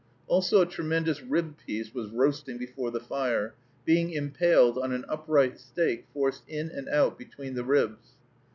Also a tremendous rib piece was roasting before the fire, being impaled on an upright stake forced in and out between the ribs.